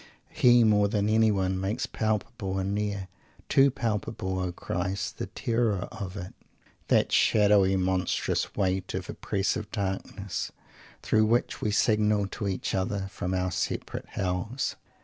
He, more than anyone, makes palpable and near too palpable O Christ! The terror of it! that shadowy, monstrous weight of oppressive darkness, through which we signal to each other from our separate Hells.